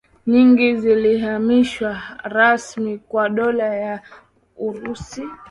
nyingi zilihamishiwa rasmi kwa Dola ya Urusi